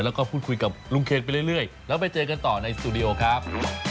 แล้วก็พูดคุยกับลุงเคนไปเรื่อยแล้วไปเจอกันต่อในสตูดิโอครับ